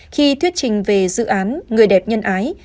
khi thuyết trình về dự án người đẹp nhân ái